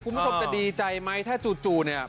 คุณผู้ชมจะดีใจไหมถ้าจู่เนี่ย